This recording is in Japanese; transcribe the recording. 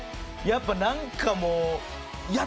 やっぱなんかもう。